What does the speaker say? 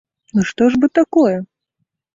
Ну, што ж бы такое?